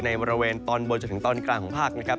ในบริเวณตอนบนจนถึงตอนกลางของภาคนะครับ